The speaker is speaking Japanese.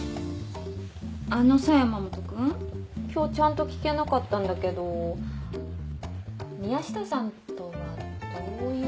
あのさ山本君。今日ちゃんと聞けなかったんだけど宮下さんとはどういう。